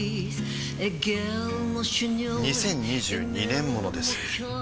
２０２２年モノです